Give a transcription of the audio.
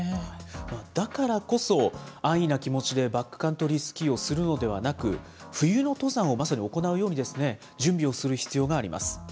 だからこそ、安易な気持ちでバックカントリースキーをするのではなく、冬の登山をまさに行うように準備をする必要があります。